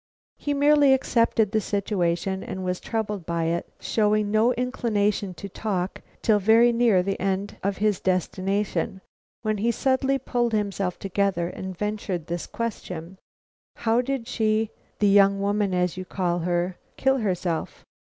He merely accepted the situation and was troubled by it, showing no inclination to talk till very near the end of his destination, when he suddenly pulled himself together and ventured this question: "How did she the young woman as you call her kill herself?"